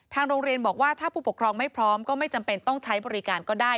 โรงเรียนบอกว่าถ้าผู้ปกครองไม่พร้อมก็ไม่จำเป็นต้องใช้บริการก็ได้